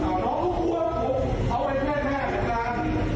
ตั้งแต่ธุคุณจะยอมรับไหม